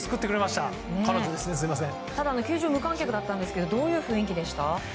ただ球場は無観客だったんですがどういう雰囲気でした。